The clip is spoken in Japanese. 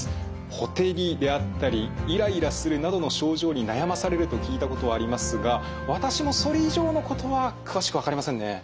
ほてりであったりイライラするなどの症状に悩まされると聞いたことはありますが私もそれ以上のことは詳しく分かりませんね。